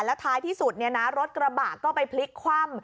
แล้วท้ายที่สุดรถกระบะก็ไปพลิกคว่ำ